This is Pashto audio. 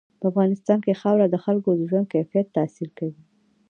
په افغانستان کې خاوره د خلکو د ژوند کیفیت تاثیر کوي.